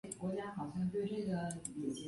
小鼩鼱为鼩鼱科鼩鼱属的动物。